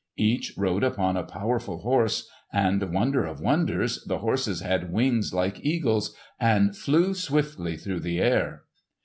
Each rode upon a powerful horse, and, wonder of wonders, the horses had wings like eagles and flew swiftly through the air!